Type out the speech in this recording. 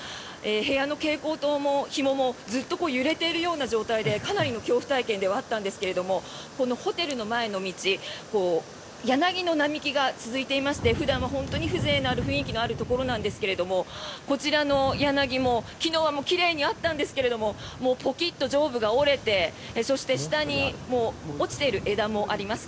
部屋の蛍光灯のひももずっと揺れているような状態でかなりの恐怖体験ではあったんですがホテルの前の道柳の並木が続いていまして普段は本当に風情のある雰囲気のあるところなんですがこちらの柳も、昨日は奇麗にあったんですけれどももう、ぽきっと上部が折れてそして下に落ちている枝もあります。